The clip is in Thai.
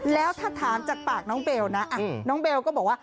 แล้วถ้าถามจากปากน้องเบลนะน้องเบลก็บอกว่า